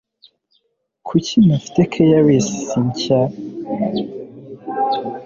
kuki ntafite na caresses nshya